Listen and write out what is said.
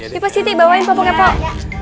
yuk pak siti bawain pokoknya pak